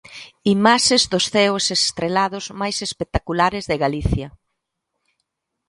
Imaxes dos ceos estrelados máis espectaculares de Galicia.